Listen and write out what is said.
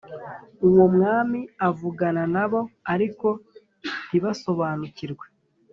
uwo mwami avugana na bo ariko ntibasobanukirwe